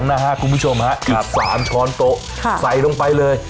นะฮะคุณผู้ชมฮะอีกสามช้อนโต๊ะค่ะใส่ลงไปเลย